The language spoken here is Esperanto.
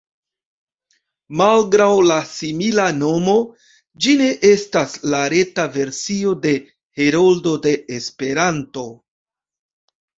Malgraŭ la simila nomo, ĝi ne estas la reta versio de Heroldo de Esperanto.